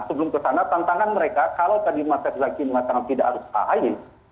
sebelum ke sana tantangan mereka kalau tadi mas zaki mengatakan tidak harus paham